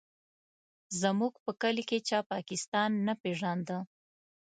زموږ په کلي کې چا پاکستان نه پېژانده.